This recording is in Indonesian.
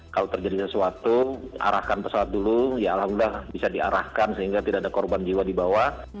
kalau terjadi sesuatu arahkan pesawat dulu ya alhamdulillah bisa diarahkan sehingga tidak ada korban jiwa di bawah